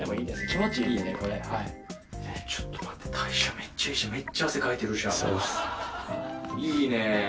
気持ちいいねこれちょっと待って代謝めっちゃいいじゃんめっちゃ汗かいてるじゃんいいねえ